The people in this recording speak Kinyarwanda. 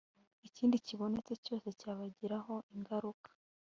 ikindi kibonetse cyose cyabagiraho ingaruka